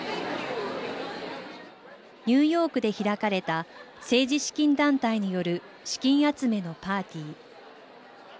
ニューヨークで開かれた政治資金団体による資金集めのパーティー。